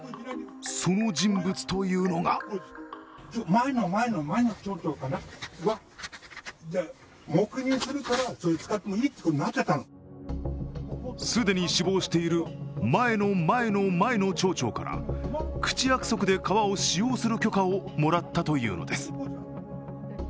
その人物というのが既に死亡している前の前の前の町長から口約束で川を使用する許可をもらったというのです。